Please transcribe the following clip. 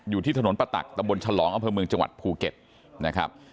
อยู่ที่ทนปะตักตฉลองอเมจภูเก็ตนะครับ